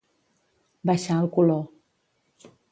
Baixar el color.